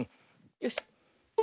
よし。